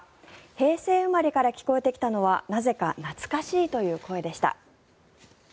平成生まれから聞こえてきたのはなぜか懐かしいという声でした。